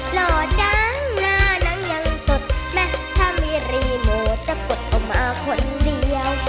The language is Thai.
หล่อจังหน้านางยังสดแม่ถ้ามีรีโมทจะกดออกมาคนเดียว